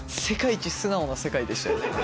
世界一素直な世界でしたよね。